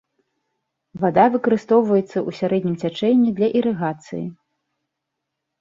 Вада выкарыстоўваецца ў сярэднім цячэнні для ірыгацыі.